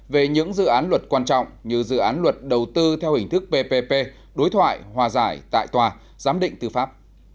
về những dự án luật quan trọng như dự án luật đầu tư theo hình thức ppp đối thoại hòa giải tại tòa giám định tư pháp